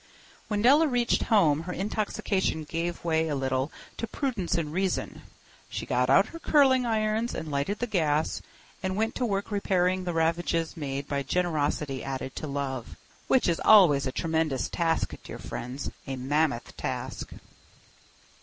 When Della reached home her intoxication gave way a little to prudence and reason. She got out her curling irons and lighted the gas and went to work repairing the ravages made by generosity added to love. Which is always a tremendous task, dear friends—a mammoth task.